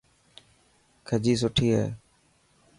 کجي سٺي هي.